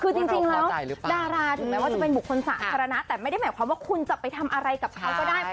คือจริงแล้วดาราถึงแม้ว่าจะเป็นบุคคลสาธารณะแต่ไม่ได้หมายความว่าคุณจะไปทำอะไรกับเขาก็ได้